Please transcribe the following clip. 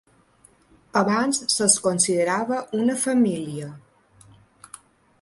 Abans se'ls considerava una família.